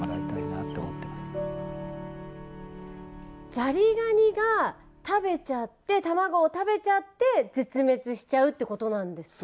ザリガニが食べちゃって卵を食べちゃって絶滅しちゃうってことなんですね。